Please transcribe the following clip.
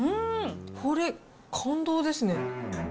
これ、感動ですね。